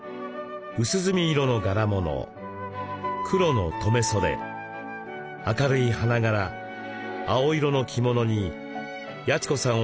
薄墨色の柄物黒の留め袖明るい花柄青色の着物に八千子さん